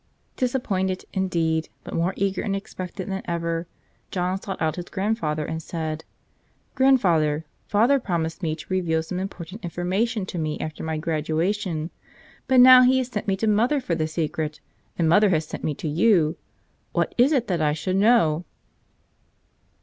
Disappointed, indeed, but more eager and expectant than ever, John sought out his grandfather and said: "Grandpa, father promised to reveal some important information to me after my graduation, but now he has sent me to mother for the secret, and mother has sent me to you. What is it that I should know?"